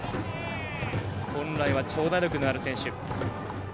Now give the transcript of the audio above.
本来は長打力のある選手。